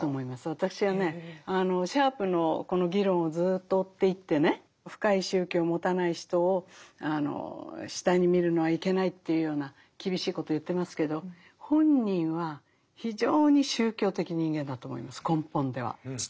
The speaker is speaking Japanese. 私はねシャープのこの議論をずっと追っていってね深い宗教を持たない人を下に見るのはいけないというような厳しいことを言ってますけど本人は非常に宗教的人間だと思います根本では。